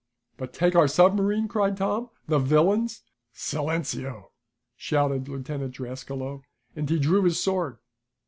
"But take our submarine!" cried Tom. "The villains " "Silenceo!" shouted Lieutenant Drascalo and he drew his sword.